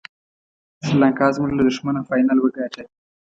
سریلانکا زموږ له دښمنه فاینل وګاټه.